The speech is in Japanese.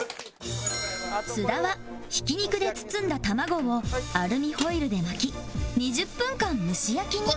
津田はひき肉で包んだ卵をアルミホイルで巻き２０分間蒸し焼きに